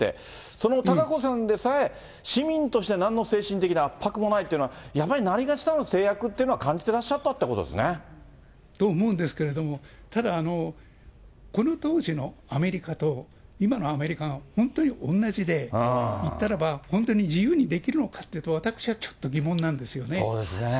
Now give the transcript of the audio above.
その貴子さんでさえ、市民としてなんの精神的な圧迫もないというのは、やはりなにがしかの制約というのは感じてらっしゃったということと思うんですけれども、ただ、この当時のアメリカと、今のアメリカが本当に同じで、行ったらば本当に自由にできるのかというと、私はちょっと疑問なそうですね。